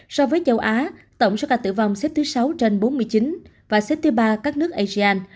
so với châu á tổng số ca tử vong xếp thứ sáu trên bốn mươi chín và xếp thứ ba các nước asean